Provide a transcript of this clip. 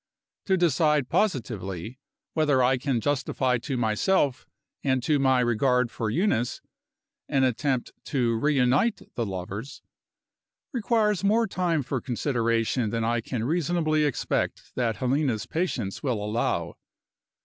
To decide positively whether I can justify to myself and to my regard for Eunice, an attempt to reunite the lovers, requires more time for consideration than I can reasonably expect that Helena's patience will allow.